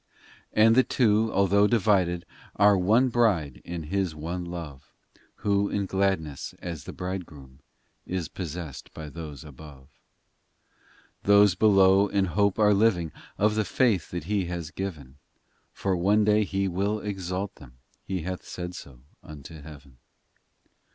VII And the two, although divided, Are one bride in His one love, Who, in gladness, as the Bridegroom Is possessed by those above. 282 POEMS VIII Those below in hope are living Of the faith that He has given, For one day He will exalt them He hath said so unto heaven.